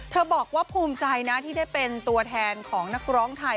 บอกว่าภูมิใจนะที่ได้เป็นตัวแทนของนักร้องไทย